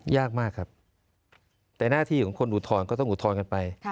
ยากมากครับแต่หน้าที่ของคนอุทธรณ์ก็ต้องอุทธรณ์กันไป